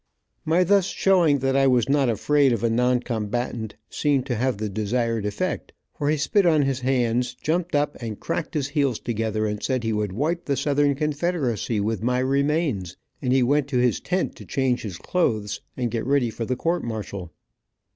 My thus showing that I was not afraid of a non combatant, seemed to have the desired effect, for he spit on his hands, jumped up and cracked his heels together, said he would wipe the Southern Confederacy with my remains, and he went to his tent to change his clothes, and get ready for the court martial.